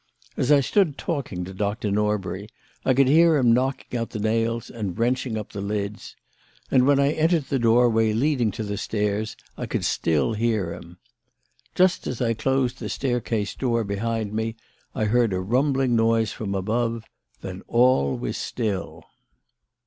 As I stood talking to Doctor Norbury, I could hear him knocking out the nails and wrenching up the lids; and when I entered the doorway leading to the stairs, I could still hear him. Just as I closed the staircase door behind me, I heard a rumbling noise from above; then all was still.